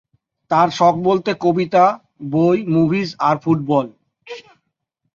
তার শখ বলতে কবিতা, বই, মুভিজ আর ফুটবল।